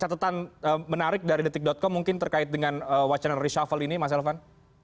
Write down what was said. catatan menarik dari detik com mungkin terkait dengan wacana reshuffle ini mas elvan